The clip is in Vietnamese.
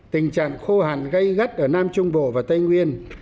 tình trạng khô hạn gây gắt ở nam trung bộ và tây nguyên